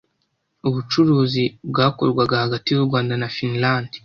ubucuruzi bwakorwaga hagati y’u Rwanda na Finland